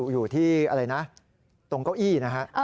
อยู่ที่อะไรนะตรงเก้าอี้นะฮะ